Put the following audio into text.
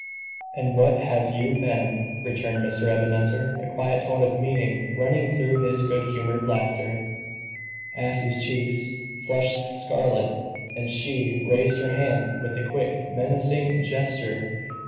"And what have you been?" returned Mr. Ebenezer, a quiet tone of meaning running through his good humored laughter. Afy's cheeks flushed scarlet, and she raised her hand with a quick, menacing gesture.